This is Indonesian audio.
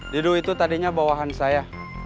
didu itu tadinya bawahan saya